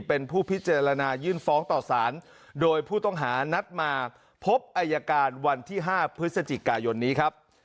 เป็นผู้พิจารณายื่นฟ้องต่อสารโดยผู้ต้องหานัดมาพบอายการวันที่๕พฤศจิกายนนี้ครับ